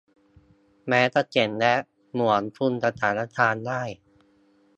แม้จะเก่งและเหมือนคุมสถานการณ์ได้